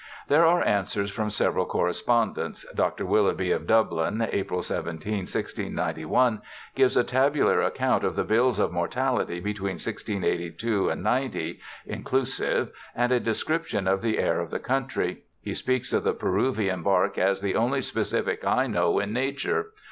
There are answers from several correspondents. Dr. Willoughby of Dublin (April 17, 1691) gives a tabular account of the bills of mortality between 1682 90 (in clusive), and a description of the air of the country. He speaks of the Peruvian bark as ' the only specific I know in nature